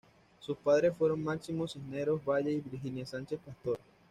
Sus padres fueron Máximo Cisneros Valle y Virginia Sánchez Pastor.